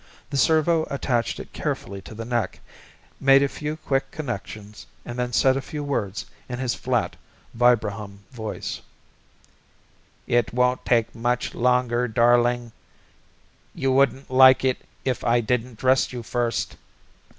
The servo attached it carefully to the neck, made a few quick connections and then said a few words in his flat vibrahum voice: "It won't take much longer, darling. You wouldn't like it if I didn't dress you first."